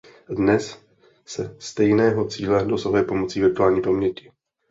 Dnes se stejného cíle dosahuje pomocí virtuální paměti.